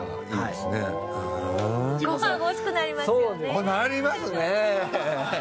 これなりますね！